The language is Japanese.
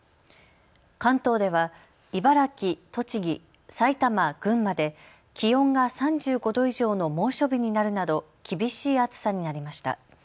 関東では茨城、栃木、埼玉、群馬で気温が３５度以上の猛暑日になるなど厳しい暑さになりました。